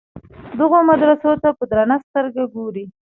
دغو مدرسو ته په درنه سترګه ګوري.